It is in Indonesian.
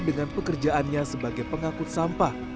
dengan pekerjaannya sebagai pengakut sampah